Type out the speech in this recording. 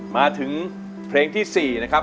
มาถึงเพลงที่๔นะครับ